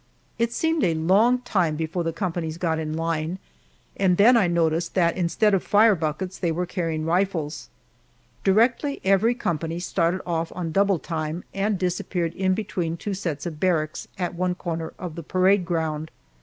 It seemed a long time before the companies got in line, and then I noticed that instead of fire buckets they were carrying rifles. Directly every company started off on double time and disappeared in between two sets of barracks at one corner of the parade ground.